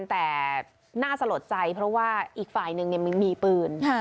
แต่น่าสลดใจเพราะว่าอีกฝ่ายนึงมีปืน